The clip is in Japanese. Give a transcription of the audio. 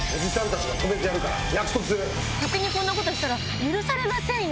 勝手にこんなことしたら許されませんよ。